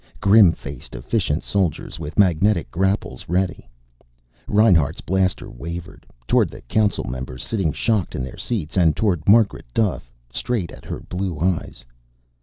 Grim faced, efficient soldiers with magnetic grapples ready. Reinhart's blaster wavered toward the Council members sitting shocked in their seats, and toward Margaret Duffe, straight at her blue eyes.